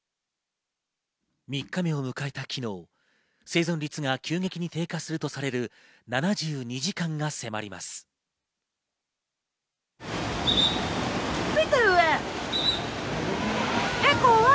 ３日目を迎えた昨日、生存率が急激に低下するとされる７２時間が迫ります。